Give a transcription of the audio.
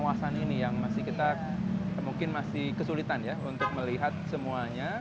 karena pembangunan ini ini memang pengawasan yang masih kita mungkin masih kesulitan ya untuk melihat semuanya